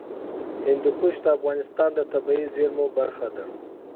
هندوکش د افغانستان د طبیعي زیرمو برخه ده.